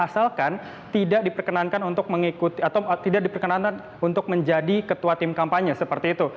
yang tidak diperkenankan untuk menjadi ketua tim kampanye seperti itu